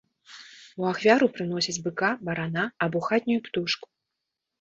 У ахвяру прыносяць быка, барана або хатнюю птушку.